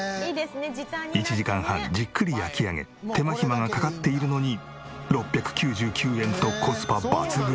１時間半じっくり焼き上げ手間暇がかかっているのに６９９円とコスパ抜群。